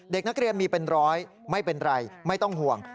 เด็กนักเรียนมีเป็นร้อยไม่เป็นไรไม่ต้องห่วง